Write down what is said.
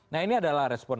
nah ini adalah respon